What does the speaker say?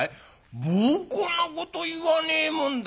「バカなこと言わねえもんだ」。